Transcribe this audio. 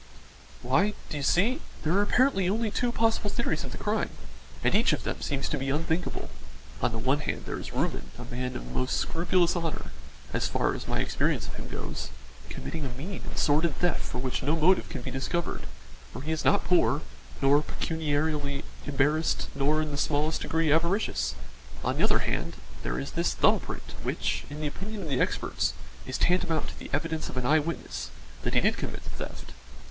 "Why, do you see, there are apparently only two possible theories of the crime, and each of them seems to be unthinkable. On the one hand there is Reuben, a man of the most scrupulous honour, as far as my experience of him goes, committing a mean and sordid theft for which no motive can be discovered for he is not poor, nor pecuniarily embarrassed nor in the smallest degree avaricious. On the other hand, there is this thumb print, which, in the opinion of the experts, is tantamount to the evidence of an eye witness that he did commit the theft.